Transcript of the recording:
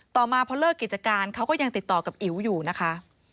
ต่อมาพอเลิกกิจการเขาก็ยังติดต่อกับอิ๋วอยู่นะคะ